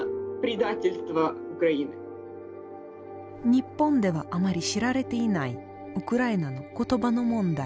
日本ではあまり知られていないウクライナの言葉の問題。